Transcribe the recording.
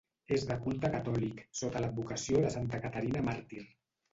És de culte catòlic, sota l'advocació de Santa Caterina Màrtir.